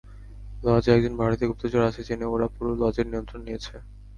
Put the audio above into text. লজে একজন ভারতীয় গুপ্তচর আছে জেনে ওরা পুরো লজের নিয়ন্ত্রণ নিয়েছে।